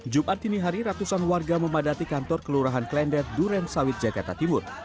jumat tinihari ratusan warga memadati kantor kelurahan klender duren sawit jakarta timur